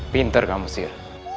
pinter kamu sir